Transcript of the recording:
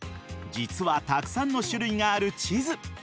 実はたくさんの種類がある地図。